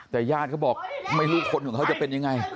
แต่ญาติเขาบอกไม่รู้คนของเขาจะเป็นยังไง